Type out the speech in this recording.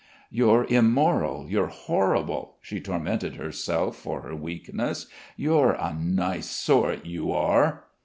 "You're immoral, you're horrible," she tormented herself for her weakness. "You're a nice sort, you are!"